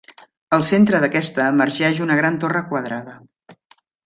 Al centre d'aquesta emergeix una gran torre quadrada.